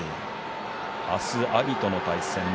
明日は阿炎との対戦です。